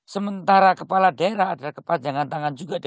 sementara kepala daerah ada kepanjangan tangan juga